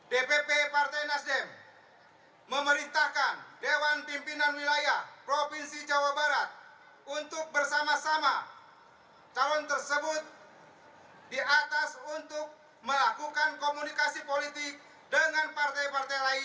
dpp partai nasdem memerintahkan dewan pimpinan wilayah provinsi jawa barat untuk bersama sama calon tersebut di atas untuk melakukan komunikasi politik dengan partai partai lain